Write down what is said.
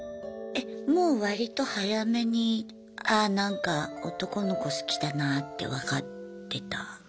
もう割と早めにああなんか男の子好きだなって分かってた？